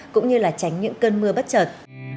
cũng như là tránh những cơn mưa bất chợt